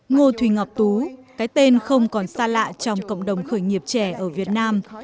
ngô thủy ngọc tú cái tên không còn xa lạ trong cộng đồng khởi nghiệp trẻ ở việt nam